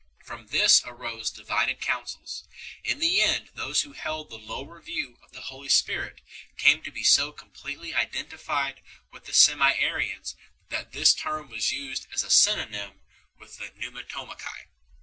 From this arose divided counsels. In the end those who held the lower view of the Holy Spirit came to be so completely identified with the Semiarians that this term was used as synony mous with Pneumatomachi 7